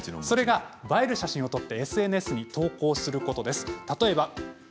映える写真に撮ってＳＮＳに投稿することです。